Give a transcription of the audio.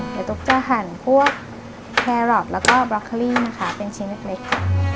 เดี๋ยวตุ๊กจะหั่นพวกแครอทแล้วก็บล็อกเคอรี่นะคะเป็นชิ้นเล็กค่ะ